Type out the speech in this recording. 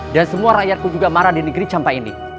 dan semua rakyatku juga marah di negeri campak ini